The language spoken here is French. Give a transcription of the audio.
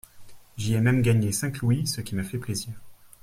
J'y ai même gagné cinq louis, ce qui m'a fait plaisir.